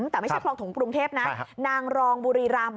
แต่ไม่ใช่คลองถงกรุงเทพนะนางรองบุรีรำ